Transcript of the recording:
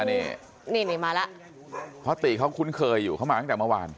นี่นี่มาแล้วเพราะตีเขาคุ้นเคยอยู่เขามาตั้งแต่เมื่อวาน